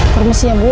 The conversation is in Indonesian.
permisi ya bu